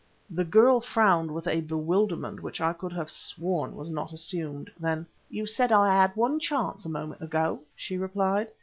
The girl frowned with a bewilderment which I could have sworn was not assumed. Then "You said I had one chance a moment ago," she replied.